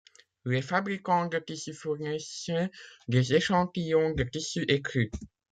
Les fabricants de tissu fournissaient des échantillons de tissu écru.